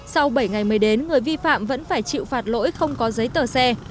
sau bảy ngày mới đến người vi phạm vẫn phải chịu phạt lỗi không có giấy tờ xe